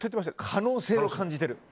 可能性を感じてる。